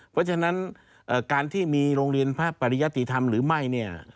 เพราะฉะนั้นการที่มีโรงเรียนพระปริยติธรรมหรือไม่เนี่ย